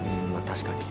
確かに。